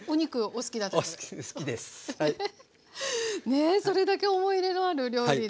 ねえそれだけ思い入れのある料理で。